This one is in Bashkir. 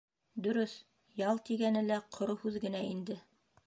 Дөрөҫ, ял тигәне лә ҡоро һүҙ генә инде.